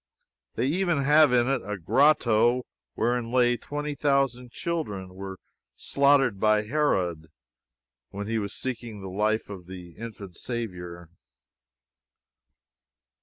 They even have in it a grotto wherein twenty thousand children were slaughtered by Herod when he was seeking the life of the infant Saviour.